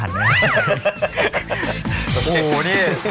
โหนี่